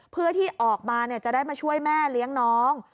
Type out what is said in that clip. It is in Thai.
เพื่อที่ออกมาจะได้มาช่วยแม่เลี้ยงน้อง